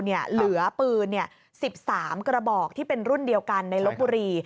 เหลือปืน๑๓กระบอกที่เป็นรุ่นเดียวกันในลบบุรี